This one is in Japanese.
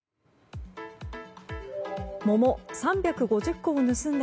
桃３５０個を盗んだ